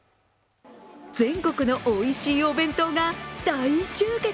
全国のおいしいお弁当が大集結。